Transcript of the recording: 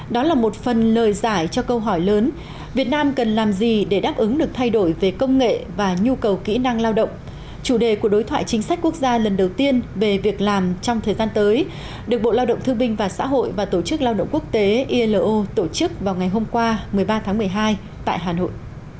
đó là một phần lời giải cho câu hỏi lớn việt nam cần làm gì để đáp ứng được thay đổi về công nghệ và nhu cầu kỹ năng lao động chủ đề của đối thoại chính sách quốc gia lần đầu tiên về việc làm trong thời gian tới được bộ lao động thương binh và xã hội và tổ chức lao động quốc tế ilo tổ chức vào ngày hôm qua một mươi ba tháng một mươi hai tại hà nội